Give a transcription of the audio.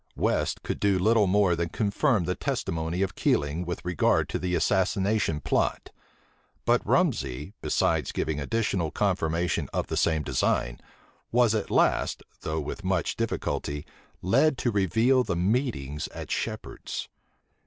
West could do little more than confirm the testimony of Keiling with regard to the assassination plot; but Rumsey, besides giving additional confirmation of the same design, was at last, though with much difficulty, led to reveal the meetings at Shephard's.